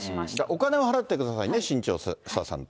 お金は払ってくださいね、新潮社さんと。